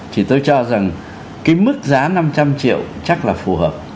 thì tôi cho rằng cái mức giá năm trăm linh triệu chắc là phù hợp